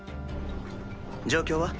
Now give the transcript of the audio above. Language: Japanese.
状況は？